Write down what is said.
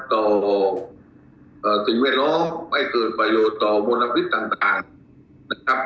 ต่อสิ่งแวดล้อมไม่เกิดประโยชน์ต่อมลพิษต่างนะครับ